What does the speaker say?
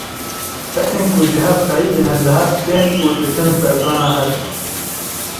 Kesên ku ji hev xeyidîne li hev tên û diçin serdana hev.